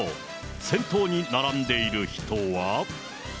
先頭に並んでいる人は。